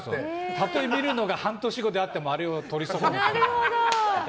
例え見るのが半年後であってもあれをとり損ねたら。